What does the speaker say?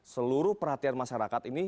seluruh perhatian masyarakat ini